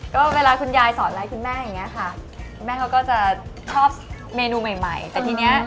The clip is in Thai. ก็เวลาคุณยายสอนอะไรคุณแม่อย่างเงี้ยค่ะคุณแม่เขาก็จะชอบเมนูใหม่ใหม่แต่ทีเนี้ย